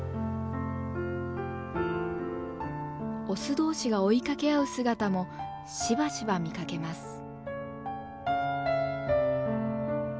オス同士が追いかけ合う姿もしばしば見かけます。